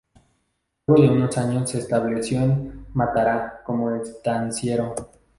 Luego de unos años se estableció en Matará como estanciero.